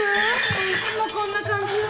もういつもこんな感じよ。